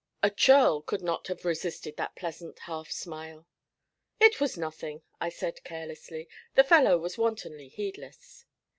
A churl could not have resisted that pleasant half smile. 'It was nothing,' I said carelessly; 'the fellow was wantonly heedless.'